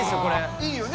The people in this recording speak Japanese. いいよね？